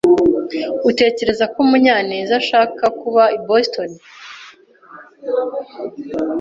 Utekereza ko Munyanezashaka kuba i Boston?